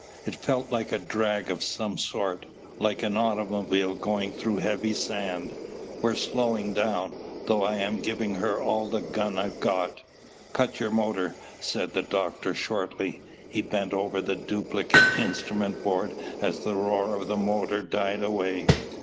"It feels like a drag of some sort, like an automobile going through heavy sand. We're slowing down, though I am giving her all the gun I've got!" "Cut your motor!" said the doctor shortly. He bent over the duplicate instrument board as the roar of the motor died away.